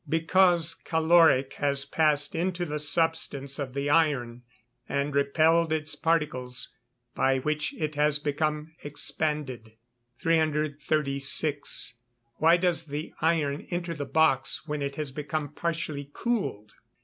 _ Because caloric has passed into the substance of the iron, and repelled its particles, by which it has become expanded. 336. _Why does the iron enter the box when it has become partially cooled?